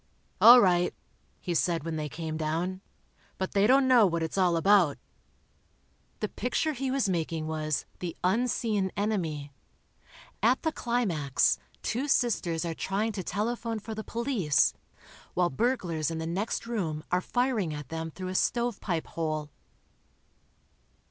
"All right," he said when they came down, "but they don't know what it's all about." The picture he was making was "The Unseen Enemy." At the climax, two sisters are trying to telephone for the police, while burglars in the next room are firing at them through a stove pipe hole.